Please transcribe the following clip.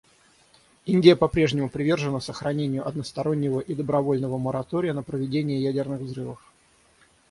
Индия по-прежнему привержена сохранению одностороннего и добровольного моратория на проведение ядерных взрывов.